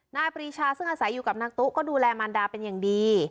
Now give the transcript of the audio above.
ปรีชาซึ่งอาศัยอยู่กับนางตุ๊ก็ดูแลมันดาเป็นอย่างดี